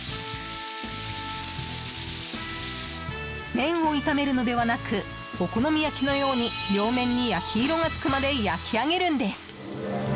麺を炒めるのではなくお好み焼きのように両面に焼き色がつくまで焼き上げるんです。